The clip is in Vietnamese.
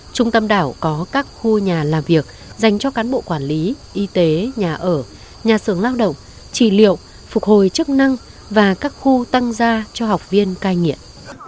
trung tâm đảo có các khu nhà làm việc dành cho cán bộ quản lý y tế nhà ở nhà xưởng lao động trì liệu phục hồi chức năng và các khu tăng gia cho học viên cai nghiện